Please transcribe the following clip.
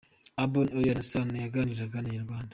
Ubwo Alyn Sano yaganiraga na Inyarwanda.